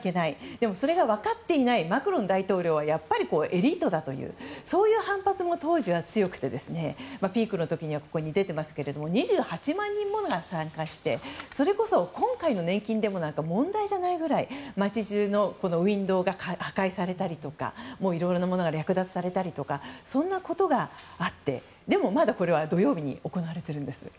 でもそれが分かっていないマクロン大統領はやっぱりエリートだというそういう反発も当時は強くてピークの時には２８万人もが参加してそれこそ、今回の年金デモなんか問題じゃないぐらい街中のウィンドーが破壊されたりとかいろいろなものが略奪されたりとかそんなことがあってでも、まだこれは土曜日に行われています。